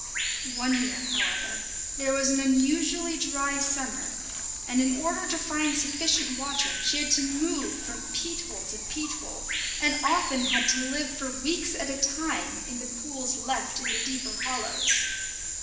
One year, however, there was an unusually dry summer, and in order to find sufficient water she had to move from peat hole to peat hole, and often had to live for weeks at a time in the pools left in the deeper hollows.